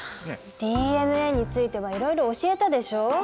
ＤＮＡについてはいろいろ教えたでしょ？